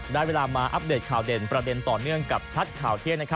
ได้เวลามาอัปเดตข่าวเด่นประเด็นต่อเนื่องกับชัดข่าวเที่ยง